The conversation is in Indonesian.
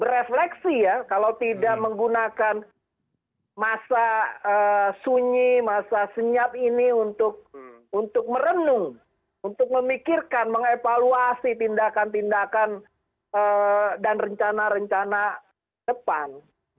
refleksi ya kalau tidak menggunakan masa sunyi masa senyap ini untuk merenung untuk memikirkan mengevaluasi tindakan tindakan dan rencana rencana depan